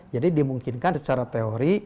jadi dimungkinkan secara teori